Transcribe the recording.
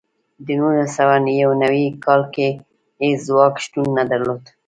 د نولس سوه یو نوي کال کې هېڅ ځواک شتون نه درلود.